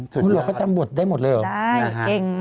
คุณหลวงเขาจำบทได้หมดเลยเหรอได้เก่ง